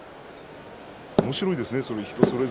おもしろいですね。